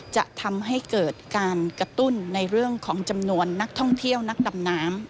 จะทำให้เกิดการกระตุ้นในเรื่องของจำนวนนักท่องเที่ยวนักดำน้ำ